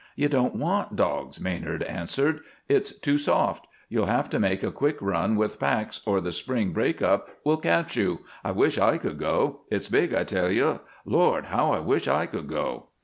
"You don't want dogs," Maynard answered. "It's too soft. You'll have to make a quick run with packs or the spring break up will catch you. I wish I could go. It's big, I tell you. Lord! How I wish I could go!"